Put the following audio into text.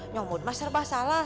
nyamut mas serba salah